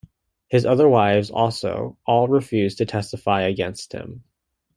His other wives also all refused to testify against him.